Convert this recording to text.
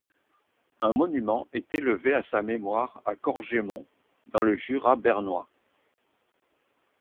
Un monument est élevé à sa mémoire à Corgémont, dans le Jura bernois.